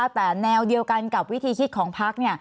แต่แนวเดียวกันกับวิธีคิดของพัก